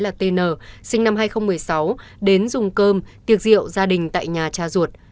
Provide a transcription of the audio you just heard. là tn sinh năm hai nghìn một mươi sáu đến dùng cơm tiệc rượu gia đình tại nhà cha ruột